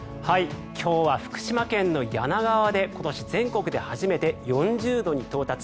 今日は福島県の梁川で今年全国で初めて４０度に到達。